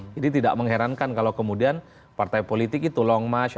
jadi tidak mengherankan kalau kemudian partai politik itu long march